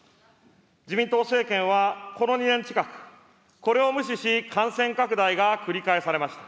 自民党政権はこの２年近く、これを無視し、感染拡大が繰り返されました。